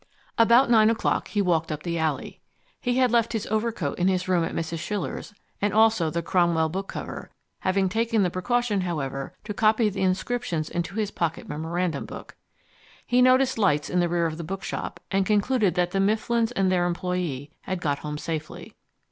About nine o'clock he walked up the alley. He had left his overcoat in his room at Mrs. Schiller's and also the Cromwell bookcover having taken the precaution, however, to copy the inscriptions into his pocket memorandum book. He noticed lights in the rear of the bookshop, and concluded that the Mifflins and their employee had got home safely.